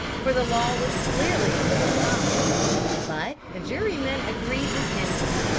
For the law was clearly on his side. But the jurymen agreed with Henry.